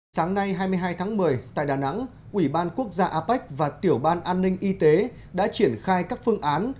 sáng nay hai mươi hai tháng một mươi tại đà nẵng ủy ban quốc gia apec và tiểu ban an ninh y tế đã triển khai các phương án